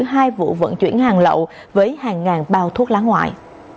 hai vụ vận chuyển hàng lậu với hàng ngàn bao thuốc lá ngoại